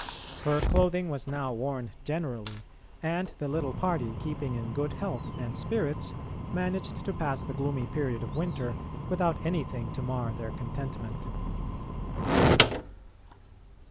Fur clothing was now worn generally, and the little party, keeping in good health and spirits, managed to pass the gloomy period of winter without anything to mar their contentment.